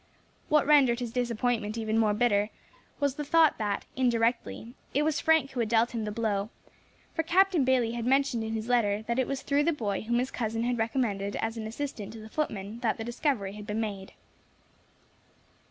What rendered his disappointment even more bitter was the thought that, indirectly, it was Frank who had dealt him the blow, for Captain Bayley had mentioned in his letter that it was through the boy whom his cousin had recommended as an assistant to the footman that the discovery had been made.